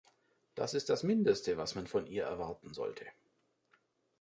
Das ist das Mindeste, was man von ihr erwarten sollte.